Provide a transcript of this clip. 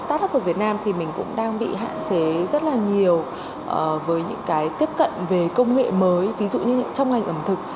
start up của việt nam thì mình cũng đang bị hạn chế rất là nhiều với những cái tiếp cận về công nghệ mới ví dụ như trong ngành ẩm thực